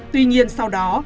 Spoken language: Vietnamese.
tuy nhiên sau đó